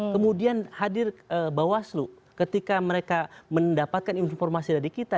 kemudian hadir bawaslu ketika mereka mendapatkan informasi dari kita